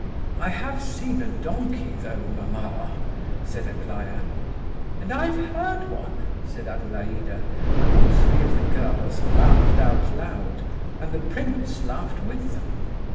"I have seen a donkey though, mamma!" said Aglaya. "And I've heard one!" said Adelaida. All three of the girls laughed out loud, and the prince laughed with them.